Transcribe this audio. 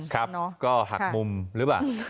ครับก็หักมุมหรือเปล่า